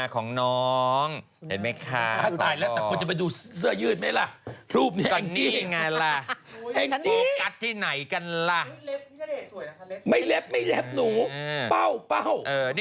ของเสื้อยืด